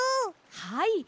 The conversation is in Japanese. はい。